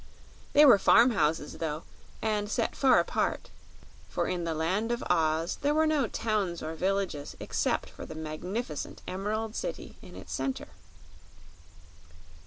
They were farm houses, though, and set far apart; for in the Land of Oz there were no towns or villages except the magnificent Emerald City in its center.